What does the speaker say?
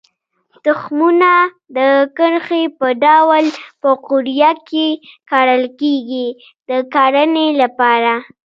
تخمونه د کرښې په ډول په قوریه کې کرل کېږي د کرنې لپاره.